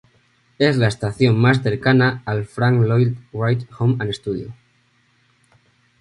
Es la estación más cercana al Frank Lloyd Wright Home and Studio.